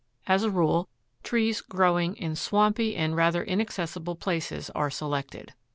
As a rule, trees growing in swampy and rather inaccessible places are selected.